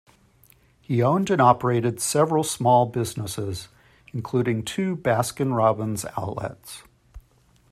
He owned and operated several small businesses, including two Baskin-Robbins outlets.